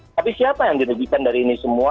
tapi siapa yang dirugikan dari ini semua